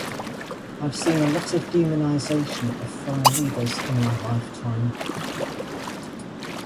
I've seen a lot of demonisation of foreign leaders in my lifetime.